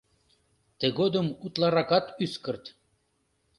Тыгодым утларакат ӱскырт.